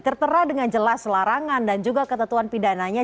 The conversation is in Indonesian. tertera dengan jelas larangan dan juga ketentuan pidananya